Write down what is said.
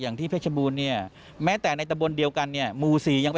นี่ก็วันที่๕ก็เลยแค่๑๐วัน